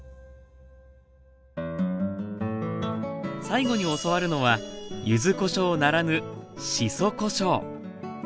最後に教わるのは柚子こしょうならぬしそこしょう。